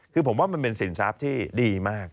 คือผมว่ามันเป็นศิลป์ที่ดีมาก